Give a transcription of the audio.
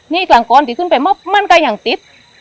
นี่กลางกรณ์ติดขึ้นไปมันก็ยังติด